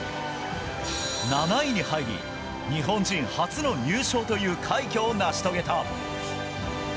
７位に入り日本人初の入賞という快挙を成し遂げた。